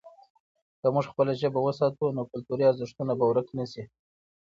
که موږ خپله ژبه وساتو، نو کلتوري ارزښتونه به ورک نه سي.